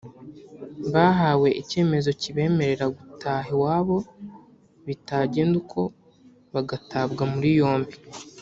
bahawe icyemezo kibemerera gutaha iwabo bitagenda uko bagatabwa muri yombi